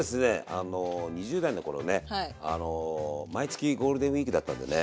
あの２０代の頃ね毎月ゴールデンウイークだったんでね。